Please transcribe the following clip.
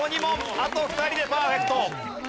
あと２人でパーフェクト。